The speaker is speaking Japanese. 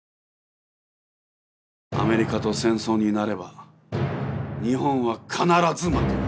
アメリカと戦争になれば日本は必ず負ける。